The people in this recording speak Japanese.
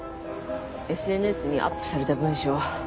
ＳＮＳにアップされた文章。